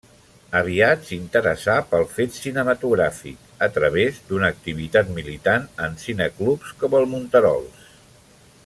Aviat s'interessà pel fet cinematogràfic a través d'una activitat militant en cineclubs com el Monterols.